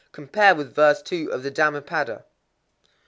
Compare with verse 2 of the Dhammapada.